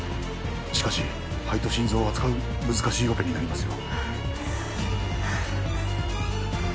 しかし肺と心臓を扱う難しいオペになりますよ